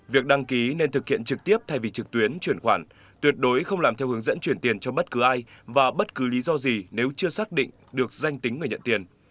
việc đăng ký nên thực hiện trực tiếp thay vì trực tuyến chuyển khoản tuyệt đối không làm theo hướng dẫn chuyển tiền cho bất cứ ai và bất cứ lý do gì nếu chưa xác định được danh tính người nhận tiền